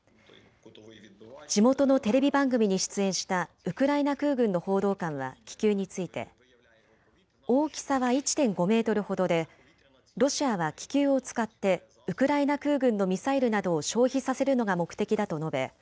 地元のテレビ番組に出演したウクライナ空軍の報道官は気球について大きさは１．５メートルほどでロシアは気球を使ってウクライナ空軍のミサイルなどを消費させるのが目的だと述べ